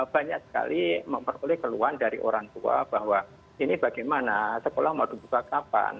banyak sekali memperoleh keluhan dari orang tua bahwa ini bagaimana sekolah mau dibuka kapan